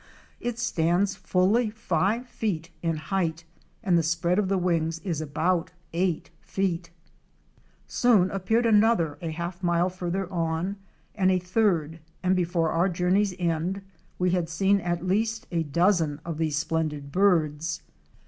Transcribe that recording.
It stands fully five feet in height and the spread of the wings is about eight feet. Soon another appeared a half mile farther on, and a third, and before our journey's end we had seen at least a dozen of these splendid birds.